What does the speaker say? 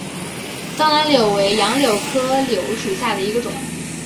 藏南柳为杨柳科柳属下的一个种。